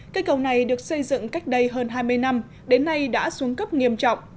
cây cầu này được xây dựng cách đây hơn hai mươi năm đến nay đã xuống cấp nghiêm trọng